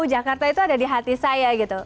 karena pak jarod itu ada di hati saya gitu